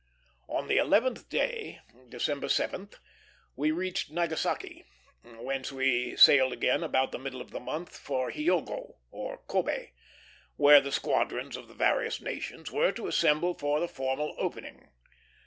On the eleventh day, December 7th, we reached Nagasaki, whence we sailed again about the middle of the month for Hiogo, or Kobé, where the squadrons of the various nations were to assemble for the formal opening.